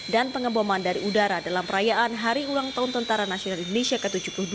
dan pengeboman dari udara dalam perayaan hari ulang tahun tentara nasional indonesia ke tujuh puluh dua